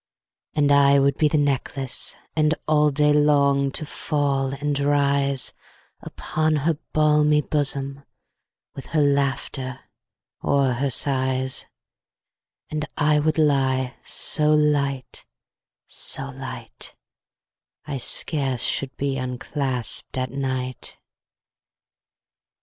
And I would be the necklace, And all day long to fall and rise Upon her balmy bosom, 15 With her laughter or her sighs: And I would lie so light, so light, I scarce should be unclasp'd at night.